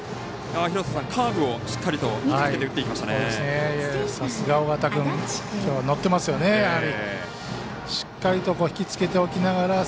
カーブをしっかりと引き付けて打っていきましたね。